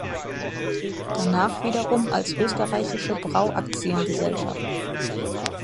Danach wiederum als Österreichische Brau-Aktiengesellschaft.